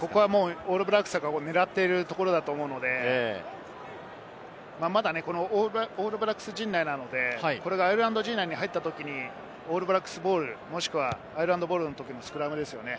オールブラックスが狙っているところだと思うので、まだオールブラックス陣内なので、これがアイルランド陣内に入ったときにオールブラックスボール、アイルランドボールのときのスクラムですよね。